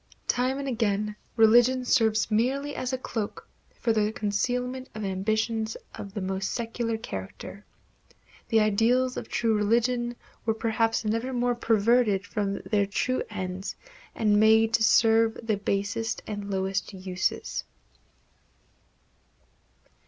Time and again religion serves merely as a cloak for the concealment of ambitions of the most secular character. The ideals of true religion were perhaps never more perverted from their true ends and made to serve the basest and lowest uses.